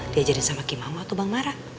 diajarin sama kemau atau bang mara